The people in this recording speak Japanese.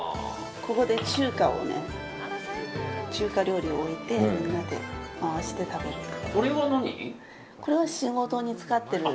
ここに中華料理を置いてみんなで回して食べる。